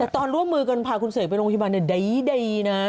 แต่ตอนร่วมมือกันพาคุณเสกไปโรงพยาบาลใดนะ